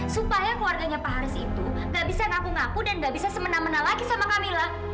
supaya keluarganya pak haris itu nggak bisa ngaku ngaku dan nggak bisa semena mena lagi sama kamila